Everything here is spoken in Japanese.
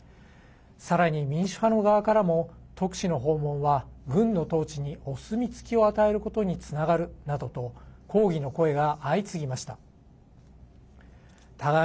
さらに民主派の側からも特使の訪問は、軍の統治にお墨付きを与えることにつながるなどと抗議の声が相次ぎました。